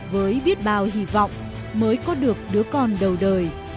với biết bao hy vọng mới có được đứa con đầu đời